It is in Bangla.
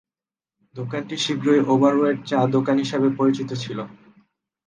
দোকানটি শীঘ্রই "ওভার-ওয়েট চা" দোকান হিসাবে পরিচিত ছিল।